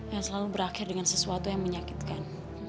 yang selalu berakhir dengan sesuatu yang menyakitkan